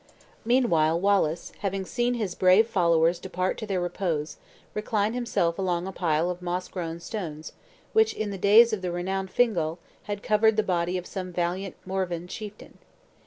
Meanwhile Wallace, having seen his brave followers depart to their respose, reclined himself along a pile of moss grown stones, which in the days of the renowned Fingal, had covered the body of some valiant Morven chieftain.